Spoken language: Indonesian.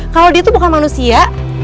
kalau dia itu bukan manusia